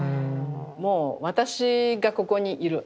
もう私がここにいる。